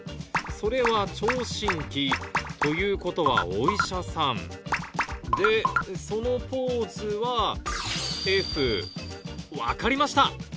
それは聴診器ということはお医者さんでそのポーズは「Ｆ」分かりました！